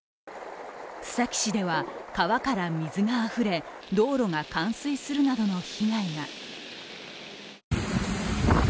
須崎市では川から水があふれ、道路が冠水するなどの被害が。